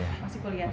iya masih kuliah